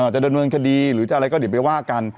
จะดำเนินคดีหรือจะอะไรก็เดี๋ยวไปว่ากัน